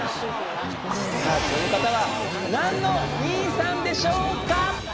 さあこの方は何の２位さんでしょうか？